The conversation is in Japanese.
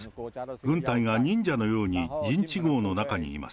軍隊が忍者のように陣地ごうの中にいます。